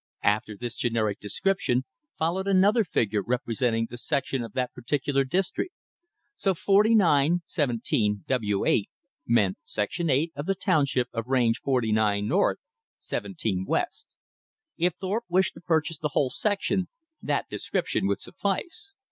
After this generic description followed another figure representing the section of that particular district. So 49 17 W 8, meant section 8, of the township on range 49 north, 17 west. If Thorpe wished to purchase the whole section, that description would suffice.